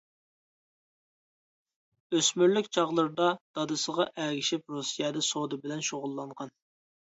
ئۆسمۈرلۈك چاغلىرىدا دادىسىغا ئەگىشىپ رۇسىيەدە سودا بىلەن شۇغۇللانغان.